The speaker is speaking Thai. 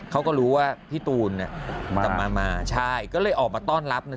เขาก็รู้ว่าพี่ตูนเนี่ยกลับมามาใช่ก็เลยออกมาต้อนรับเนี่ย